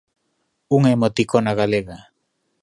Unha emoticona galega.